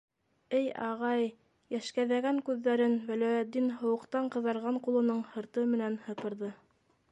Эй ағай, - йәшкәҙәгән күҙҙәрен Вәләүетдин һыуыҡтан ҡыҙарған ҡулының һырты менән һыпырҙы.